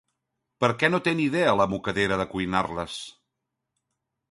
Per què no té ni idea la mocadera de cuinar-les?